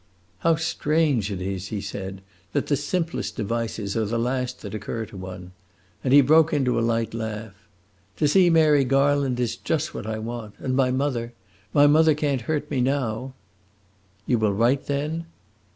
"How strange it is," he said, "that the simplest devices are the last that occur to one!" And he broke into a light laugh. "To see Mary Garland is just what I want. And my mother my mother can't hurt me now." "You will write, then?"